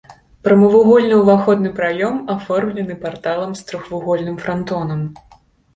Прамавугольны ўваходны праём аформлены парталам з трохвугольным франтонам.